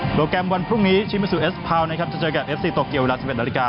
โปรแกรมวันพรุ่งนี้ชิมิสุเอสพราวจะเจอกับเอฟซีตกเกียวเวลา๑๑นาฬิกา